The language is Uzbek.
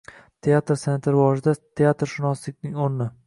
Teatr san’ati rivojida teatrshunoslikning o‘rni